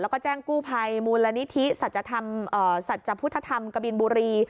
แล้วก็แจ้งกู้ภัยมูลนิธิสัจพุทธธรรมกบินบุรี